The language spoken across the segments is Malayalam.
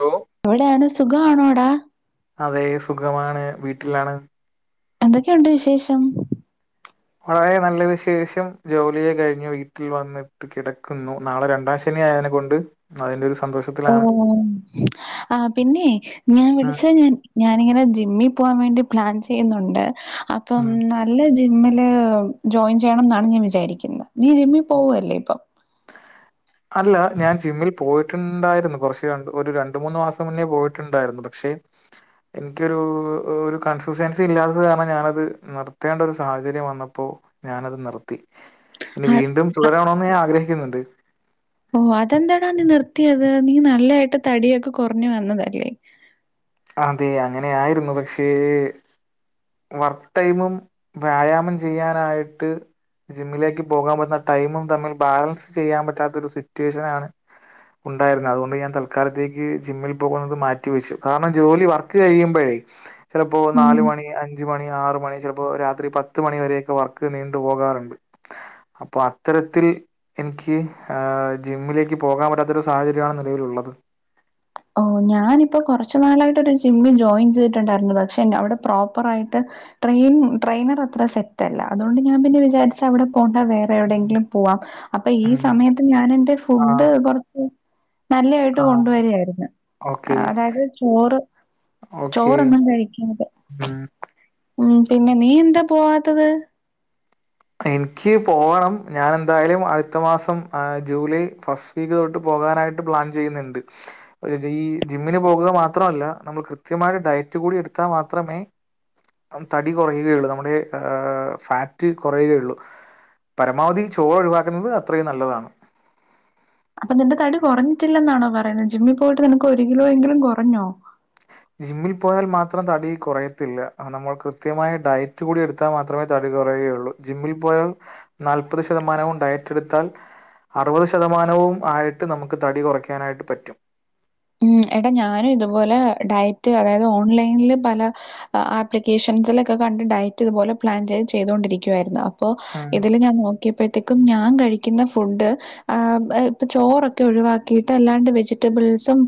ഹലോ എവിടാണ് സ് സുഖം ആണോടാ അതെ സുഖമാണ് വീട്ടിലാണ്- എന്തൊക്കെയുണ്ട് വിശേഷം- വളരെ നല്ല വിശേഷം ജോലിയെ കഴിഞ്ഞ് വീട്ടിൽ വന്നിട്ട് കിടക്കുന്നു. നാളെ രണ്ടാം ശനി ആയേനെ കൊണ്ട് അയ്ന്റെരു സ ഓ ആഹ് പിന്നെ ഞാൻ ഉം വിളിച്ചേ ഞാൻ ഞാനിങ്ങനെ ജിമ്മിൽ പോവാൻ വേണ്ടി- പ്ലാൻ ചെയ്യുന്നൊണ്ട് - അപ്പം ഉം നല്ല ജി ജിമ്മില് ജോയിൻ ചെയ്യണം എന്നാണ് ഞാൻ വിചാരിക്കുന്ന- നീ ജിമ്മിൽ പോവല്ലേ ഇപ്പം- അല്ല ഞാൻ ജിമ്മിൽ പോയിട്ടുണ്ടായിരുന്നു കുറച്ച് രണ്ടു ഒരു രണ്ടു മൂന്ന് മാസം മുന്നേ പോയിട്ടുണ്ടായിരുന്നു പക്ഷെ എനിക്കൊരു ഒരു കൺസ്റ്റന്റൻസി ഇല്ലാത്തത് കാരണം ഞാനത് നിർത്തേണ്ട ഒരു സാഹചര്യം വന്നപ്പോ ഞാനത് നിർത്തി- ഇനി ആ, വീണ്ടും തുടരാണോന്ന് ഞാൻ ആഗ്രഹി ക്ക്ന്നുണ്ട് ഓ അതെന്താടാ നീ നിർത്തിയത് നീ നല്ലായിട്ട് തടിയൊക്കെ കൊർഞ്ഞ് വന്നതല്ലേ അതെ അങ്ങനെ ആയിരുന്നു പക്ഷേ വർക്ക് ടൈമും വ്യായാമം ചെയ്യാനായിട്ട് ജിമ്മിലേക്ക് പോകാൻ വന്ന ടൈമും തമ്മിൽ ബാലൻസ് ചെയ്യാൻ പറ്റാത്ത ഒരു സിറ്റുവേഷൻ ആണ് ഉണ്ടായിര്ന്നെ അതുകൊണ്ട് ഞാൻ തൽക്കാലത്തേക്ക് ജിമ്മിൽ പോകുന്നത് മാറ്റിവെച്ചു കാരണം ജോലി വർക്ക് കഴിയുമ്പഴേ ചെലപ്പോ ഉം നാല് മണി അഞ്ച് ഞ്ച് മണി ആറുമണി ചെലപ്പോ രാത്രി പത്തുമണി വരെയൊക്കെ വർക്ക് നീണ്ടു പോകാർണ്ട് അപ്പൊ അത്തരത്തിൽ ഇൻക്ക് ഏ ജിമ്മിലേക്ക് പോകാൻ പറ്റാത്ത ഒര് സാഹചര്യാണ് നിലവിലുള്ളത് ഓ ഞാനിപ്പോ കൊറച്ച് നാളായിട്ട് ഒരു ജിമ്മിൽ ജോയിൻ ചെയ്തിട്ട് ഇണ്ടാർന്നു പക്ഷെ നൊ അവിടെ പ്രോപ്പർ ആയിട്ട് ട്രെയ്ൻ ട്രെയ്നർ അത്ര സെറ്റ് അല്ല അതോണ്ട് ഞാൻ പിന്നെ വിചാരിച്ചവിടെ പോ ണ്ട വേറെ എവിടെയെങ്കിലും പോവാം അപ്പൊ ഈ ഉം സമയത്ത് ഞൻ എന്റെ ഫുഡ് ആഹ് കൊർച്ച് നല്ലായിട്ട് ആഹ് കൊണ്ട് വെരായിരുന്നു അ ഓക്കെ അതായത് ചോറ് ഓക്കെ ചോറെന്നും കഴിക്ക്ണത് ഉം ഉം പിന്നെ നീ എന്താ പോവാത്തത് ഇൻക്ക് പോവണം ഞാനെന്തായാലും അട്ത്ത മാസം ആ ജൂലൈ ഫസ്റ്റ് വീക്ക് തൊട്ട് പോകാനായിട്ട് പ്ലാൻ ചെയ്യ്ന്ന്ണ്ട്. ഈ ജിമ്മിന് പോകുക മാത്രവല്ല നമ്മൾ കൃത്യമായ ഡയറ്റ് കൂടി എടുത്താ മാത്രമേ അവൻ തടി കൊറയുകയൊള്ളു നമ്മളുടെ ഏ ഫാറ്റ് കൊറയുകയൊള്ളു. പരമാവധി ചോറ് ഒഴിവാക്കുന്നത് അത്രയും നല്ലതാണ് അപ്പൊ നിന്റെ തടി കുറഞ്ഞിട്ടില്ലെന്നാണോ പറയുന്നെ ജിമ്മിൽ പോയിട്ട് നിനക്ക് ഒര് കിലോ എങ്കിലും കൊറഞ്ഞോ ജിമ്മിൽ പോയാൽ മാത്രം തടി കൊറയത്തില്ല നമ്മൾ കൃത്യമായ ഡയറ്റ് കൂടി എടുത്താൽ മാത്രമേ തടി കൊറയുകയൊള്ളൂ ജിമ്മിൽ പോയാൽ നാല്പത് ശതമാനവും ഡയറ്റ് എടുത്താൽ അറുപത് ശതമാനവും ആയിട്ട് നമുക്ക് തടി കൊറയ്ക്കാനായിട്ട് പറ്റും ഉം ഏട്ടാ ഞാനും ഇതുപോലെ ഡയറ്റ് അതായത് ഓൺലൈനിൽ പല ആപ്ലിക്കേഷൻസിലൊക്കെ കണ്ട് ഡയറ്റ് ഇതുപോലെ പ്ലാൻ ചെയ്ത് ചെയ്തോണ്ടിരിക്കുവായിരുന്നു അപ്പോ ഉം ഇതില് ഞാൻ നോക്കിയപ്പഴ് ത്തെക്കും ഞാൻ കഴിക്ക്ന്ന ഫുഡ് ഏ ഇപ്പൊ ചോറൊക്കെ ഒഴിവാക്കിയിട്ട് അല്ലാണ്ട് വെജിറ്റബിൾസും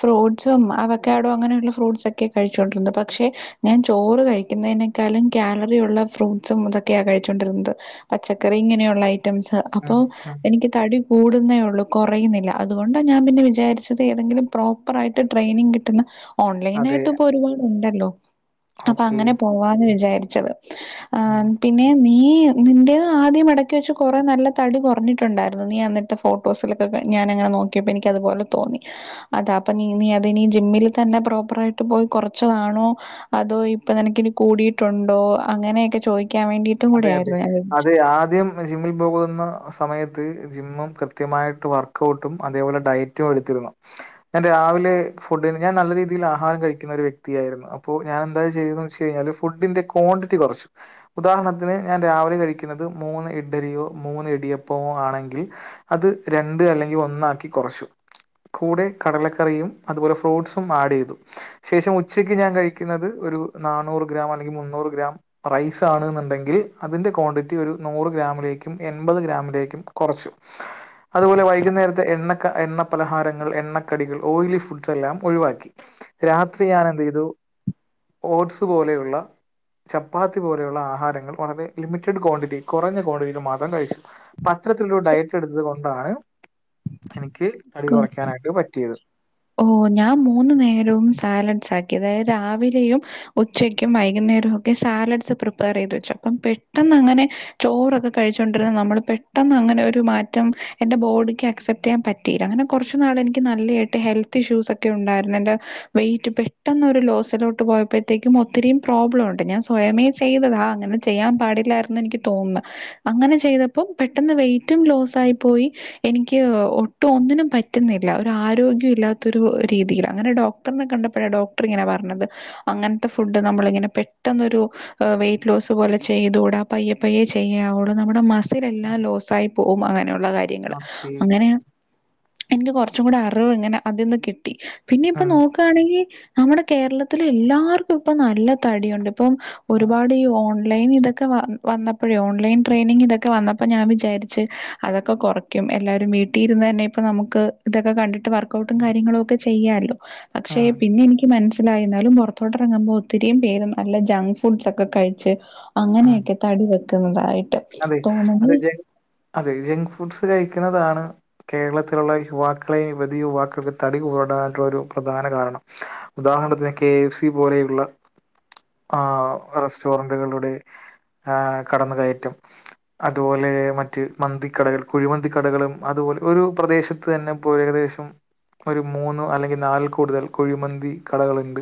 ഫ്രൂട്ട്സും അവക്കാടോ അങ്ങനെയുള്ള ഫ്രൂട്ട്സ് ഒക്കെ കഴിച്ചോണ്ടിര്ന്നെ പക്ഷെ ഞാൻ ചോറ് കഴിക്കുന്നെയ്നേക്കാളും കാലറി ഉള്ള ഫ്രൂട്ട്സും ഇതൊക്കെയാ കഴിച്ചോണ്ടിര്ന്നത് പച്ചക്കറി ഇങ്ങനെയുള്ള ഐയ് റ്റംസ് അപ്പോ ഉം ഉം എനിക്ക് തടി കൂടുന്നേ ഒള്ളൂ കൊറയുന്നില്ല അതുകൊണ്ട് ഞാൻ പിന്നെ വിചാരിച്ചത് ഏതെങ്കിലും പ്രോ പ്പറായിട്ട് ട്രെയിനിങ് കിട്ടുന്ന ഓൺലൈൻ അതെ ആയിട്ട് ഇപ്പ ഒരുപാട് ഉണ്ടല്ലോ അപ്പൊ ഓക്കെ അങ്ങനെ പോവാന്ന് ഉം വിചാരിച്ചത് ഏ പിന്നെ നീ നീ നിന്റെത് ആദ്യം മടക്കി വെച്ച കൊറെ നല്ല തടി കൊറഞ്ഞിട്ട് ഇണ്ടായിര്ന്നു നീ അന്നിട്ട് ഫോട്ടോസിലൊക്കെ ഞാനങ്ങനെ നോക്കിയപ്പോ എനിക്ക് അതുപോലെ തോന്നി അതാ അപ്പൊ നീ നീ അത് നീ ജിമ്മിൽ തന്നെ പ്രോപ്പർ ആയിട്ട് പോയി കൊറച്ചതാണോ അതോ ഇപ്പൊ നിനക്ക് ഇനി കൂടിയിട്ടുണ്ടോ അങ്ങനെയെക്കെ ചോയ് അതെ അതെ അതെ ആദ്യം ജിമ്മിൽ പോകുന്ന സമയ ത്ത് ജിമ്മും കൃത്യമായിട്ട് വർക്ക് ഔട്ടും അതേപോലെ ഡയറ്റും എടുത്തിരുന്നു ഞാൻ രാവിലെ ഫുഡ്ന് ഞാൻ നല്ല രീതിയിൽ ആഹാരം കഴിക്കുന്ന ഒരു വ്യക്തിയായിരുന്നു അപ്പൊ ഞാൻ എന്താ ചെയ്തെന്ന് വെച്ച് കഴിഞ്ഞാല് ഫുഡിന്റെ ക്വാണ്ടിറ്റി കൊറച്ചു ഉദാഹരണത്തിന് ഞാൻ രാവിലെ കഴിക്കുന്നത് മൂന്ന് ഇഡ്‌ലിയോ മൂന്ന് ഇടിയപ്പമോ ആണെങ്കിൽ അത് രണ്ട് അല്ലെങ്കിൽ ഒന്നാക്കി കൊറച്ചു കൂടെ കടലക്കറിയും അതുപോലെ ഫ്രൂട്ട്സും ആഡ് ചെയ്തു ശേഷം ഉച്ചയ്ക്ക് ഞാൻ കഴിക്കുന്നത് ഒരു നാനൂറ് ഗ്രാം അല്ലെങ്കിൽ മുന്നൂറ് ഗ്രാം റൈസ് ത്താണ്ന്ന് ഇണ്ടെങ്കിൽ അതിന്റെ ക്വാണ്ടിറ്റി ഒരു നൂറ് ഗ്രാമിലേക്കും എൺപത് ഗ്രാമിലേക്കും കൊറച്ചു അതുപോലെ വൈകുന്നേരത്തെ എണ്ണ ക എണ്ണ പലഹാരങ്ങൾ എണ്ണക്കടികൾ ഓയിലി ഫുഡ്സ് എല്ലാം ഒഴിവാക്കി രാത്രി ഞാൻ എന്ത് ചെയ്തു ഓട്സ് പോലെയുള്ള ചപ്പാത്തി പോ നെയുള്ള ആഹാരങ്ങൾ വളരെ ലിമറ്റഡ് ക്വാണ്ടിറ്റി കൊറഞ്ഞ ക്വാണ്ടിറ്റിയിൽ മാത്രം കഴിച്ചു അപ്പ അത്തരത്തിലുള്ള ഒര് ഡയറ്റ് എടുത്തത് കൊണ്ടാണ് എനി ക്ക് തടി കൊറയ്ക്കാനായിട്ട് പറ്റിയത് ഓ ഞാൻ മൂന്ന് നേരവും സാലഡ്സ് ആക്കി അതായത് രാവിലെയും ഉച്ചക്കും വൈകുന്നേരവും ഒക്കെ സാലഡ്സ് പ്രിപ്പർ ചെയ്ത് വെച്ചു അപ്പം പെട്ടെന്ന് അങ്ങനെ ചോറൊക്കെ കഴിച്ചോണ്ടിരുന്ന നമ്മൾ പെട്ടെന്ന് അങ്ങനെ ഒരു മാറ്റം എന്റെ ബോഡിക്ക് അക്സെപ്റ്റ് ചെയ്യാൻ പറ്റിയില്ല അങ്ങനെ കൊറച്ചു നാൾ എനിക്ക് നല്ലതായിട്ട് ഹെൽ ഇഷ്യൂസ് ഒക്കെ ഉണ്ടായിരുന്നു എന്റെ വെറ്റ് പെട്ടന്ന് ഒരു ലോസിലോട്ട് പോയപ്പോഴ്ത്തേക്കും ഒത്തിരിയും പ്രോബ്ലം ഉണ്ട് ഞാൻ സ്വയമേ ചെയ്തതാ അങ്ങനെ ചെയ്യാൻ പാടില്ലായിര്ന്ന് എനിക്ക് തോന്ന്ന്ന് അങ്ങനെ ചെയ്തപ്പോ പെട്ടെന്ന് വെ്റ്റും ലോസ് ആയി പോയി എനിക്ക് ഒട്ടും ഒന്നിനും പറ്റുന്നില്ല ഒര് ആരോഗ്യം ഇല്ലാ ത്തൊരു രീതിയിലാ അങ്ങനെ ഡോക്ടറിനെ കണ്ടപ്പഴ ഡോക്ടർ ഇങ്ങനെ പറഞ്ഞത് അങ്ങനത്തെ ഫുഡ് നമ്മൾ ഇങ്ങനെ പെട്ടെന്നൊരു വെയിറ്റ് ലോസ് പോലെ ചെയ്തുകൂടാ പയ്യെ പയ്യെ ചെയ്യാ വൊള്ളൂ നമ്മുടെ മസിൽ എല്ലാം ലോസ് ആയി പോവും അങ്ങനെയു ള്ള കാര്യങ്ങൾ ഓക്കെ അങ്ങനെ എൻക്ക് കൊർച്ചും കൂടെ അറിവ് ഇങ്ങനെ അതൊന്ന് കിട്ട പിന്നെ ഇപ്പ ആഹ് നോക്കയാണെങ്കിൽ നമ്മുടെ കേരളത്തി എല്ലാർക്കും ഇപ്പ നല്ല തടിയുണ്ട് ഇപ്പം ആഹ് ഒരുപാട് ഓൺ ഓൺലൈൻ ഇതൊക്കെ വന്നപ്പോഴേ ഓൺലൈൻ ട്രെയിനി ഇതൊക്കെ വന്നപ്പോ ഞാൻ വിചാരിച്ച് അതൊക്കെ കുറക്കും എല്ലാവരും വീട്ടിൽ ഇരുന്ന് തന്നെ ഇപ്പ നമുക്ക് ഇതൊക്കെ കണ്ടി്ട്ട് വർക് വർക്കൗട്ടും കാര്ങ്ങള ഒക്കെ ചെയ്യാലോ പക്ഷെ ആഹ് പിന്നെ എനിക്ക് മനസ് ാലും പുറത്തോട്ട ഇറങ്ങുമ്പോ ഒത്തിരിയും പേര് നല്ല ജക് ഫുഡ്സ് ഒക്കെ കഴിച്ച് ആഹ് അങ്ങനെയൊക്കെ തടി വെ ുന്നതായിട്ട് അതെ അതെ അതെ ജങ്ക് ഫുഡ്സ് കഴിക്ക ുന്നതാണ് കേരളത്തിലുള്ള യുവാക്കളെ യുവധി യുവാക്കൾക്ക് തടി കൂടാനുള്ള ഒരു പ്രധാന കാരണം ഉദാഹരണത്തിന്ന് കെ എഫ് സി പോലെയുള്ള ആ റെസ്റ്റോറൻറുകളുടെ കടന്നുകയറ്റം അതുപോലെ മറ്റ് മന്തിക്കടകൾ കുഴിമന്തി കടകളും അതുപോലെ ഒരു പ്രദേശത്ത് തന്നെ പോ ഏകദേശം ഒരു മൂന്ന് അല്ലെങ്കിൽ നാലിൽ കൂടുതൽ കുഴിമന്തി കടകളുണ്ട്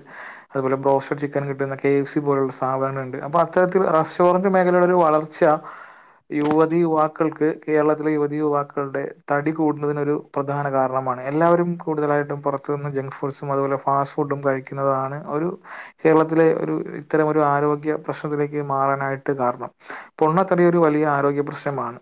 അതുപോലെ ബ്രോസ്റ്റഡ് ചിക്കൻ കിട്ടുന്ന കെ എഫ് സി പോലുള്ള സാധനങ്ങളുണ്ട് അപ്പൊ അത്തരത്തിൽ റെസ്റ്റോറന്റ് മേഖലയുടെ ഒരു വളർച്ച യുവതി യുവാക്കൾക്ക് കേരളത്തിലെ യുവതീ യുവാക്കളുടെ തടി കൂടുന്നതിന് ഒരു പ്രധാന കാരണമാണ് എല്ലാവരും കൂടുതലായിട്ടും പുറത്തു നിന്ന് ജങ്ക് ഫുഡ്സും അതുപോലെ ഫാസ്റ്റ് ഫുഡും കഴിക്കുന്നതാണ് ഒരു കേരളത്തിലെ ഒരു ഇത്തരം ഒരു ആരോഗ്യ പ്രശ്നത്തിലേക്ക് മാറാനായിട്ട് കാരണം പൊണ്ണത്തടി ഒരു വലിയ ആരോഗ്യ പ്രശ്നമാണ്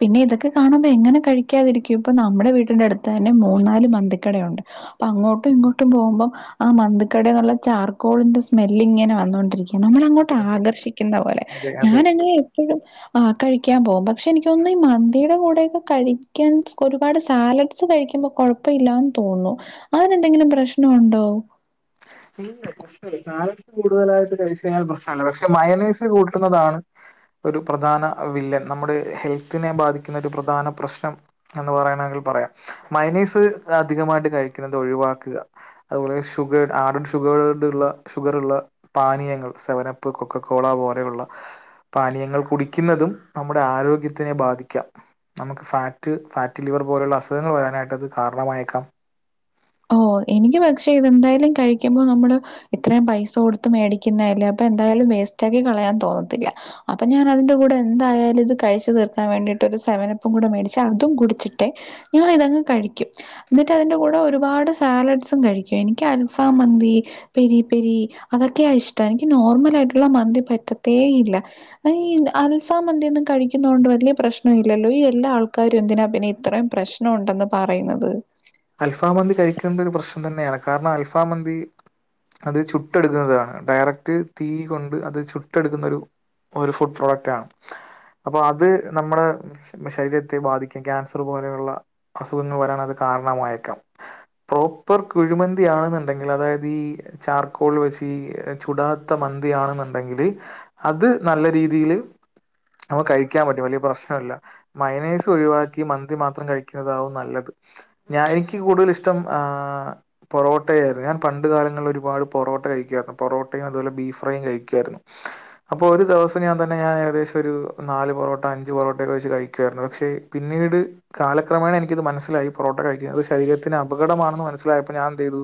പിന്നെ ഇതൊക്കെ കാണുമ്പോ എങ്ങനെ കഴിക്കാതിരിക്കും ഇപ്പം നമ്മടെ വീട്ടിന്റെ അടുത്ത് തന്നെ മൂന്നാല് മന്തിക്കടയുണ്ട് പ്പൊ അങ്ങോട്ടും ഇങ്ങോട്ടും പോകുമ്പം ആ മന്തി ക്കടന്നുള്ള ചാർക്കോളിന്റെ സ്മെല്ലിങ്ങനെ വന്നൊണ്ടിരിക്കും നമ്മൾ അങ്ങോട്ട് അതെ അതെ ആകർഷിക്കുന്ന പോലെ അതെ അതെ ഞാന് അങ്ങനെ എപ്പഴും ആ കഴിക്കാൻ പോകും പക്ഷെ എനിക്ക് ഒന്ന് ഈ മന്തി യുടെ കൂടക്കെ കഴിക്കാൻ ഒരുപാട് സാലഡ്സ് കഴിക്കുമ്പോ കൊഴപ്പ ഇല്ലാന്ന് തോന്നും അതെന്തെങ്കിലും പ്രശ്നണ്ടോ ഇല്ല പ്രശ്നല്ല ഇ സാലഡ്സ് കൂടുതലായിട്ട് കഴിച് കഴിഞ്ഞാൽ പ്രശ്നാണ് പക്ഷെ മയനൈസ് കൂട്ടു ന്നതാണ് ഒരു പ്രധാന വില്ലൻ നമ്മുടെ ഹെൽത്തിനെ ബാധിക്കുന്ന ഒരു പ്രധാന പ്രശ്നം എന്ന് പറയണെങ്കിൽ പറയാ മയനയ്സ് അധികമായിട്ട് കഴിക്കുന്നത് ഒഴിവാക്കുക അതുപോലെ ശ് ഷുഗർഡ് ആ ഷുഗർഡ്ള്ള ഷുഗർള്ള പാനീയങ്ങൾ സെവനപ്പ് കൊക്കക്കോള പോലെയുള്ള പാനീയങ്ങൾ കുടിക്കുന്നതും നമ്മുടെ ആരോഗ്യത്തിനെ ബാധിക്കാം നമുക്ക് ഫാറ്റ് ഫാറ്റ് ലിവർ പോലെയുള്ള അസുഖങ്ങൾ വരാനായിട്ടത് കാരണമായേക്കാം ഓ എനിക്ക് പക്ഷെ ഇതെന്തായാലും കഴിക്കുമ്പോ നമ്മള് ഇത്രയും പൈസ കൊടുത്ത് മേടിക്കുന്നല്ലേ അപ്പൊ എന്തായാലും വേസ്റ്റ് ആക്കി കളയാൻ തോന്നത്തില്ല അപ്പൊ ഞാൻ അതിന്റെ കൂടെ എന്തായാലും ഇത് കഴിച്ചു തീർക്കാൻ വേണ്ടിട്ട് ഒരു സെവനപ്പും കൂടെ മേടിച്ച് അതും കുടിച്ചിട്ടേ ഞാൻ ഇതങ്ങ് കഴിക്കും ന്നിട്ട് അതിന്റെ കൂടെ ഒരു ഒരുപാട് സാലഡ്സും കഴിക്കും എനിക്ക് അൽഫാ മന്തി പെരി പെരി അതൊക്കെയാ ഇഷ്ടം എനിക്ക് നോർമൽ ആയിട്ടുള്ള മന്തി പറ്റത്തേ ഇല്ല ഈ അൽഫാ മന്തിന്നും കഴിക്കുന്നോണ്ട് വലിയ പ്രശ്നം ഇല്ലല്ലോ ഈ എല്ലാ ആൾക്കാരും എന്തിനാ പിന്നെ ഇത്രയും പ്രശ്നംണ്ടന്ന് പറയണത് അൽഫ് ഫാമന്തി കഴിക്കുന്ന രു പ്രശ് തന്നെയാണ് കാരണം അൽഫാ മന്തി അത് ചുട്ടെടുക്കുന്നതാണ് ഡയറക്ട് തീ കൊണ്ട് അത് ചുട്ടെടുക്കുന്ന ഒരു ഒരു ഫുഡ് പ്രോഡക്റ്റ് ആണ് അപ്പൊ അത് നമ്മുടെ ശരീരത്തെ ബാധിക്കും ക്യാൻസർ പോലെയുള്ള അസുഖങ്ങൾ വരാൻ അത് കാരണ മായേക്കാം പ്രോപ്പർ കുഴിമന്തിയാന്നുണ്ടെങ്കില് അതായത് ഈ ചാർക്കോൾല് വെച്ച് ചുടാത്ത മന്തിയാണെന്നുണ്ടെങ്കില് അത് നല്ല രീതിയില് നമ്മ കഴിക്കാൻ പറ്റും വലിയ പ്രശ്നല്ല മയനൈസ് ഒഴിവാക്കി മന്തി മാത്രം കഴിക്കുന്നതാവും നല്ലത് ഞാൻ എനിക്ക് കൂടുതൽ ഇഷ്ടം ആ പൊറോട്ടയായിരുന്നു ഞാൻ പണ്ട് കാലങ്ങളില് ഒരുപാട് പൊറോട്ട കഴിക്കായിരുന്നു പൊറോട്ടയും അതുപോലെ ബീഫ് ഫ്രയും കഴിക്കായിരുന്നു അപ്പൊ ഒരു ദിവസം ഞാൻ തന്നെ ഞാൻ ഏകദേശം ഒരു നാല് പൊറോട്ട അഞ്ച് പൊറോട്ടയൊക്കെ വെച്ച് കഴിക്കായിരുന്നു പക്ഷെ പിന്നീട് കാലക്രമേണ എനിക്കത് മനസ്സിലായി പൊറോട്ട കഴിക്കുന്നത് ശരീരത്തിന് അപകടമാണെന്ന് മനസിലായപ്പോ ഞാൻ ന്ത് യ്തു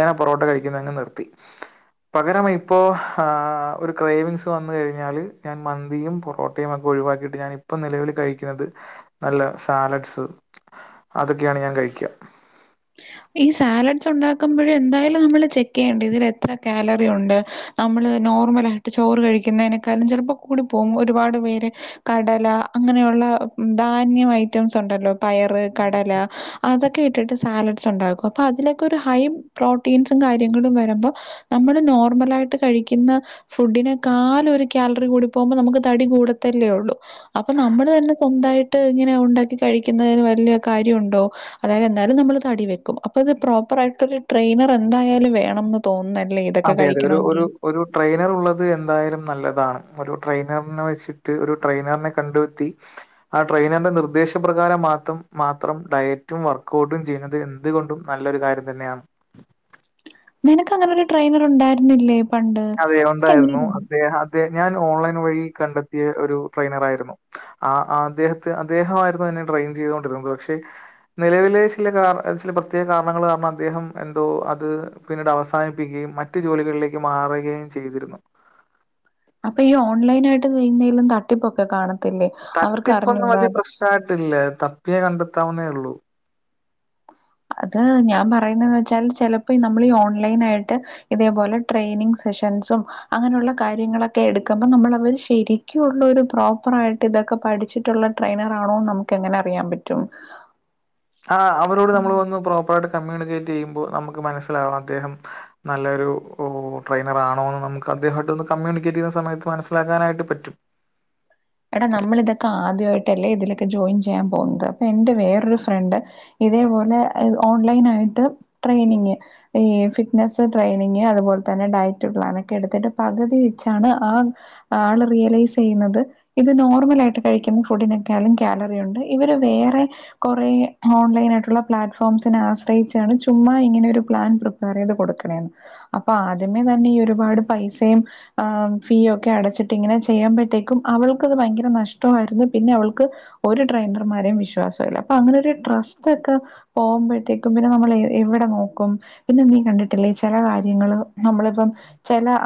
ഞാൻ പൊറോട്ട കഴിക്കുന്നത് അങ് നിർത്തി പകരം ഇപ്പോ ആ ഒരു ക്രയ്‌വിങ്സ് വന്നു കഴിഞ്ഞാല് ഞാൻ മന്തിയും പൊറോട്ടയും ഒക്കെ ഒഴിവാക്കിട്ട് ഞാൻ ഇപ്പൊ നിലവിൽ കഴിക്കുന്നത് നല്ല സാലഡ്സ് അതൊക്കെയാണ് ഞാൻ കഴിക്ക ഈ സാലഡ്സ് ഉണ്ടാക്കുമ്പഴ് എന്തായാലും നമ്മള് ചെക്ക് യ്യേണ്ടിവരും ഇതിൽ എത്ര കാലറി ഉണ്ട് നമ്മള് നോർമലായിട്ട് ചോറ് കഴിക്കുന്നനെക്കാളും ചിലപ്പോ കൂടി പോകും ഒരുപാട് പേര് കടല അങ്ങനെയുള്ള ഉം ധാന്യം ഐറ്റംസ് ഉണ്ടല്ലോ പയറ് കടല അതൊക്കെ ഇ ഇട്ടിട്ട് സാലഡ് ഉണ്ടാക്കും അപ്പോ അതിലൊക്കെ രു ഹൈ പ്രോട്ടീൻസും കാര്യങ്ങളും വരുമ്പോ നമ്മള് നോർമലായിട്ട് കഴിക്കുന്ന ഫുഡിനെക്കാൾ ഒരു കാലറി കൂടി പോകുമ്പോ നമുക്ക് തടി കൂടത്തല്ലേ ഉള്ളൂ അപ്പൊ നമ്മൾ തന്നെ സ്വന്തയിട്ട് ഇങ്ങനെ ഉണ്ടാക്കി കഴിക്കുന്ന വല്യ കാര്യണ്ടോ അതായത് എന്താലും നമ്മൾ തടി വെച്ച് അപ്പത് പ്രോപ്പർ ആയിട്ടൊരു ട്രെയിനർ എന്തായാലും വേണംന്ന് തോന്ന അതെ യതെ ഒരു ഒരു ഒരു ട്രെയിനർ ഉള്ളത് എന്തായാലും നല്ലതാണ് ഒരു ട്രെയിനറിനെ വെച്ചിട്ട് ഒരു ട്രെയിനറിനെ കണ്ടുത്തി ആ ട്രെയിനറിന്റെ നിർദ്ദേശപ്രകാരം മാത്രം മാത്രം ഡയറ്റും വർക്കൗട്ടും ചെയ്യുന്നത് എന്തുകൊണ്ടും നല്ലൊരു കാര്യം തന്നെയാണ് നിനക്ക് അങ്ങനൊരു ട്രെനർണ്ടരുന്നില്ലേ അതെ ഉണ്ടായിരുന്നു അദേഹ അദേ ഞാൻ ഓൺലൈൻ വഴി കണ്ടെത്തിയ ഒരു ട്രെയിനർ ആയിരുന്നു അ അദ്ദേഹത്തെ അദേഹായിരുന്നു എന്നെ ട്രെയിൻ ചെയ്തൊണ്ടിരുന്നത് പക്ഷെ നിലവിലെ ചില കാര ചില പ്രത്യേക കാരണങ്ങൾ കാരണം അദ്ദേഹം എന്തോ അത് പിന്നീട് അവസാനിപ്പിക്കുകയും മറ്റു ജോലികളിലേക്ക് മാറി യും ചെയ്തിരുന്നു അപ്പൊ ഈ ഓൺലൈൻ ആയിട്ട് [unintelligible] തട്ടിപ്പൊക്കെ കാണും തട്ടിപ്പൊന്നും വല്യ പ്രശ്നായിട്ടില്ലതപ്പിയാൽ കണ്ടെത്താവുന്നേ ഉള്ളൂ ഒ അത് ഞാൻ പറയുന്നെന്ന് വെച്ചാൽ ചെലപ്പോ നമ്മള് ഈ ഓൺലൈൻ ആയിട്ട് ഇതേപോലെ ട്രെയിനിങ് സെഷൻസും അങ്ങനെയുള്ള കാര്യങ്ങളൊക്കെ എടുക്കുമ്പോ നമ്മള് അവര് ശരിക്കുള്ളരു പ്രോപ്പർ ആയിട്ട് ഇതൊക്കെ പഠിച്ചിട്ടുള്ള ട്രെയിനർ ആണോന്ന് നമുക്ക് എങ്ങനെ അറിയാൻ പറ്റും ആ അവരോട് നമ്മൾ വ പ്രോപ്പർ ആയിട്ട് കമ്മ്യൂണിക്കേറ്റ് ചെയ്യുമ്പോ നമക്ക് മനസ്സിലാവണം അദ്ദേഹം നല്ലൊരുഉ ട്രെയിനർ ആണോന്ന് നമക്ക് അദ്ദേഹട്ട് കമ്മ്യൂണിക്കേറ്റ് ചെയ്യുന്ന സമയത്ത് മനസ്സിലാക്കാനായിട്ട് പറ്റും എടാ നമ്മള് ഇതൊക്കെ ആദ്യയിട്ടല്ലേ ഇതിലൊക്കെ ജോയിൻ ചെയ്യാൻ പോകുന്നത് അപ്പൊ എന്റെ വേറൊരു ഫ്രണ്ട് ഇതേപോലെ ഓൺലൈൻ ആയിട്ട് ട്രെയിനിങ് ഈ ഫിറ്റ്നെസ്സ് ട്രെയിനിങ് അതുപോൽ തന്നെ ഡയറ്റ് പ്ലാൻ ഒക്കെ എടുത്തിട്ട് പകുതി വെച്ചാണ് ആ ആള് റിയലൈസ് യ്യുന്നത് ഇത് നോർമലായിട്ട് കഴിക്കുന്ന ഫുഡിനെക്കാലും കാലറി ഉണ്ട് ഇവര് വേറെ കൊറേ ഓൺലൈൻ ആയിട്ടുള്ള പ്ലാറ്റ്ഫോംസിനെ ആശ്രയിച്ചാണ് ചുമ്മാ ഇങ്ങനെ ഒരു പ്ലാൻ പ്രിപ്പയർ യ്ത് കൊടുക്കണേെന്ന് അപ്പൊ ആദ്യമേ തന്നെ ഈ ഒരുപാട് പൈസയും ആ ഫീ ഒക്കെ അടച്ചിട്ട് ഇങ്ങനെ ചെയ്യു മ്പഴത്തേക്കും അവൾ അത് ഭയങ്കര നഷ്ടായിരുന്നു പിന്നെ അവൾക്ക് ഒരു ട്രെയിനർമാരെയും വിശ്വാസല്ല അപ്പൊ അങ്ങനെ ഒരു ട്രസ്റ്റ് ഒക്കെ പോകുമ്പോഴത്തേക്കും പിന്നെ നമ്മള് എവിടെ നോക്കും പിന്നെ നീ കണ്ടിട്ടില്ലേ ചെല കാര്യങ്ങള് നമ്മളിപ്പം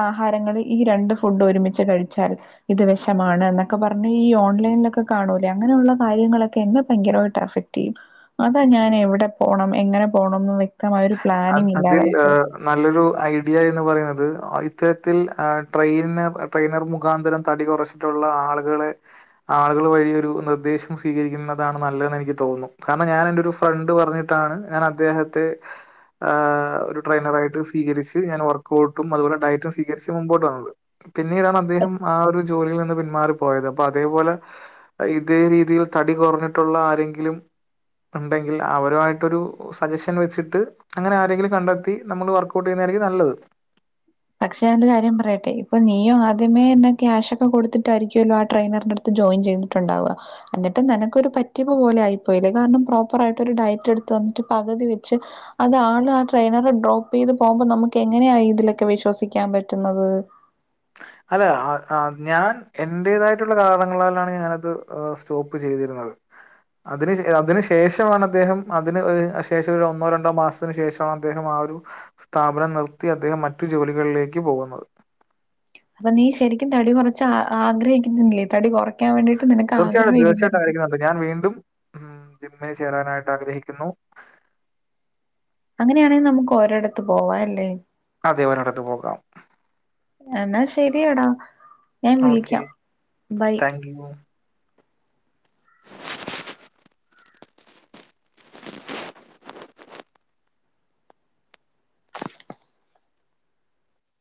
ആഹാരങ്ങള് ഈ രണ്ട് ഫുഡും ഒരുമിച്ച് കഴിച്ചാൽ ഇത് വിഷമാണ് എന്നൊക്കെ പറഞ്ഞ ഈ ഓൺലൈനിലൊക്കെ കാണൂലെ അങ്ങനെയുള്ള കാര്യങ്ങളൊക്കെ എന്നെ ഭയങ്കരയിട്ട് എഫക്ട് യ്യും അതാ ഞാൻ എവിടെ പോണം എങ്ങനെ പോണംന്ന് വെക് ആ അതിൽ നല്ലൊരു ഐഡിയ എന്ന് പറയുന്നത് ആ ഇത്തരത്തിൽ ട്രെയിനർ മുഖാന്തരം തടി കുറച്ചിട്ടുള്ള ആളുകളെ ആളു വഴി ഒരു നിർദ്ദേശം സ്വീകരിക്കുന്നതാണ് നല്ലതെന്ന് എനിക്ക് തോന്നുന്നു കാരണം ഞാൻ എന്റെ ഒരു ഫ്രണ്ട് പറഞ്ഞിട്ടാണ് ഞാൻ അദ്ദേഹത്തെ ഒരു ട്രെയിനറായിട്ട് സ്വീകരിച്ച് ഞാൻ വർക്കോട്ടും അതുപോലെ ഡയറ്റും സ്വീകരിച്ച് മുമ്പോട്ട് വന്നത് പിന്നീടാണ് അദ്ദേഹം ആ ഒരു ജോലിൽ നിന്ന് പിന്നെ മാറി പോയത് അപ്പ അതേപോലെ ഇതേ രീതിയിൽ തടി കുറഞ്ഞിട്ടുള്ള ആരെങ്കിലും ഉണ്ടെങ്കിൽ അവരുമായിട്ടൊരു സജെഷൻ വെച്ചി ട്ട് അങ്ങനെ ആരെങ്കിലും കണ്ടെത്തി നമ്മള് വർക്ക്ഔട്ട് ചെയ്യുന്നതായിരിക്കും നല്ലത്. പക്ഷെ ഞാനൊരു കാര്യം പറയട്ടെ ഇപ്പൊ നീയും ആദ്യമേ ന്നെ ക്യാഷ് ഒക്കെ കൊടുത്തിട്ടായിരിക്കുവല്ലോ ആ ട്രെയിനറിന്റെ അടുത്ത് ജോയിൻ ചെയ്തിട്ടുണ്ടാവുക എന്നിട്ട് നിനക്കൊര് പറ്റിപ്പ് പോലെ ആയിപ്പോയില്ലേ കാരണം പ്രോപ്പർ ആയിട്ട് ഒരു ഡയറ്റ് എടുത്ത് വന്നിട്ട് പകുതി വെച്ച് അത് ആൾ ആ ട്രെയിനർ ഡ്രോപ്പ് ചെയ്ത് പോകുമ്പോ നമുക്കങ്ങനെയാ ഇതിലൊക്കെ വിഷ് വിശ്വസിക്കാൻ പറ്റുന്നത് അല്ല ഞാൻ എൻറേതായിട്ടുള്ള കാരണങ്ങളാലാണ് സ്റ്റോപ്പ് ചെയ്തിരുന്നത് അതിനു ശേഷമാണ് അദ്ദേഹം ഒരൊന്നോ രണ്ടോ മാസത്തിന് ശേഷമാണ് ആ ഒരു സ്ഥാപനം നിർത്തി അദ്ദേഹം മറ്റു ജോലികളിലേക്ക് പോകുന്നത് അപ്പൊ നീ ശരിക്കും തടി കൊറച്ച് ആഗ്രഹിക്കുന്നില്ലേ തടി കൊറ [inaudible] വേണ്ടിട്ട് നിനക്ക് ആഗ്രഹം ഇല്ലായിരുന്നു ഉം ജിമ്മിൽ ചേരാനായിട്ട് ആഗ്രഹിക്കുന്നു അങ്ങനെയാണെ നമുക്ക് ഓരേടത്ത് പോവാല്ലേ അതെ ഒരടത്ത് പോകാം ശരിയടാ ഞാൻ ഓക്കെ. വിളിക്കാം ബൈ താങ്ക് യു.